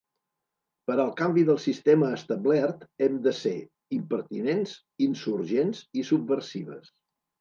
Per al canvi del sistema establert hem de ser: impertinents, insurgents i subversives.